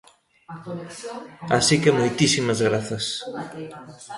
Así que moitísimas grazas.